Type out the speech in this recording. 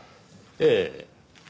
ええ。